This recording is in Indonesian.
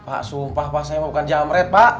pak sumpah pak saya mau bukan jamret pak